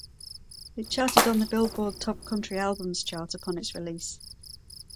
It charted on the "Billboard" Top Country Albums chart upon its release.